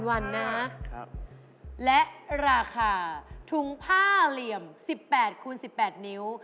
วันนะและราคาถุงผ้าเหลี่ยม๑๘คูณ๑๘นิ้ว